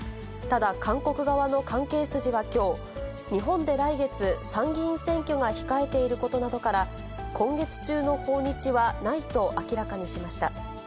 ただ、韓国側の関係筋はきょう、日本で来月、参議院選挙が控えていることなどから、今月中の訪日はないと明らかにしました。